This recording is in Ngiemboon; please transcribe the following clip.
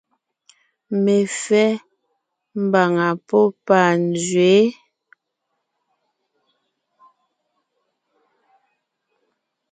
Mefɛ́ (mbàŋa pɔ́ panzwě ).